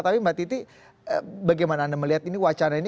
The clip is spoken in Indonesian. tapi mbak titi bagaimana anda melihat ini wacana ini